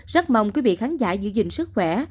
rất mong quý vị khán giả giữ gìn sức khỏe